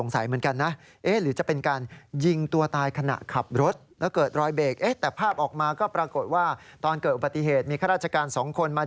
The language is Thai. สาเหตุน่าจะประมาณว่าอุปติเหตุจากเปลืองลั่นมากกว่า